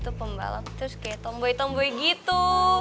itu pembalap terus kayak tomboy tomboi gitu